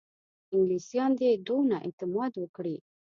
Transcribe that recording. انګلیسیان دي دونه اعتماد وکړي.